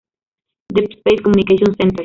Deep-Space Communication Centers